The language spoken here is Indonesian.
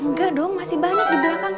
enggak dong masih banyak di belakang